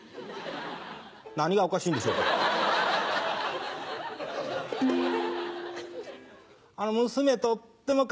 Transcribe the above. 何がおかしいんでしょうか。